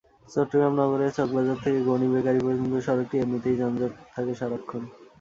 চট্টগ্রাম নগরের চকবাজার থেকে গনি বেকারি পর্যন্ত সড়কটি এমনিতেই যানজট থাকে সারাক্ষণ।